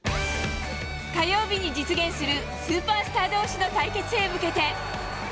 火曜日に実現する、スーパースターどうしの対決へ向けて。